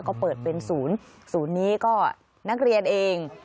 ก็เปิดเป็นศูนย์ศูนย์นี้ก็นักเรียนเอง